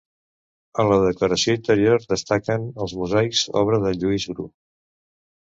En la decoració interior destaquen els mosaics, obra de Lluís Bru.